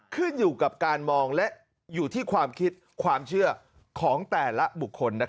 ขึ้นอยู่กับการมองและอยู่ที่ความคิดความเชื่อของแต่ละบุคคล